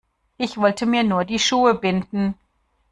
Ich wollte mir nur die Schuhe binden.